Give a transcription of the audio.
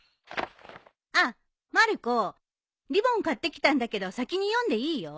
あっまる子『りぼん』買ってきたんだけど先に読んでいいよ。